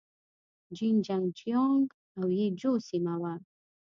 جين چنګ جيانګ او يي جو سيمه وه.